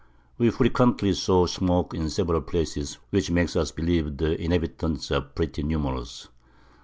We frequently saw Smoak in several Places, which makes us believe the Inhabitants are pretty numerous.